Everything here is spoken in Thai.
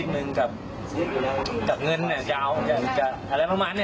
ผมมักค่อยมีตกใจพี่ตกใจมากน่ะ